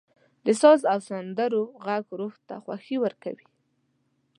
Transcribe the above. • د ساز او سندرو ږغ روح ته خوښي ورکوي.